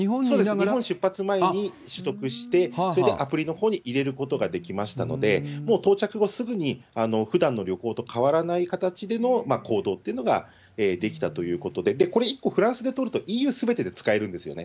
日本出発前に取得して、それでアプリのほうに入れることができましたんで、もう到着後、すぐにふだんの旅行と変わらない形での行動っていうのができたということで、これ、１個フランスで取るとＥＵすべてで使えるんですよね。